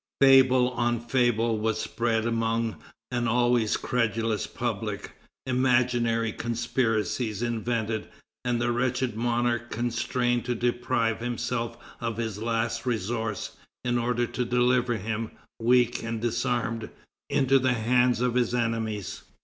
Fable on fable was spread among an always credulous public, imaginary conspiracies invented, and the wretched monarch constrained to deprive himself of his last resource, in order to deliver him, weak and disarmed, into the hands of his enemies.